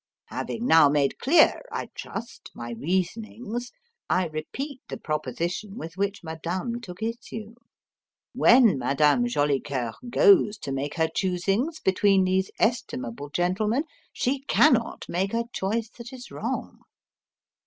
Having now made clear, I trust, my reasonings, I repeat the proposition with which Madame took issue: When Madame Jolicoeur goes to make her choosings between these estimable gentlemen she cannot make a choice that is wrong."